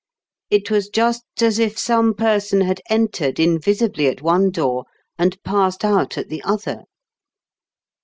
It was just as if some person had entered invisibly at one door and passed out at the other.